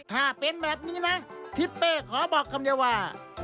ถ้าเป็นแบบนี้นะทิศเป้ขอบอกคำเดียวว่า